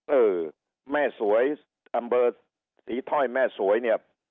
เออแม่สวยอำเภอศรีถ้อยแม่สวยเนี่ย